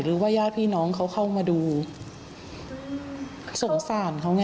ญาติพี่น้องเขาเข้ามาดูสงสารเขาไง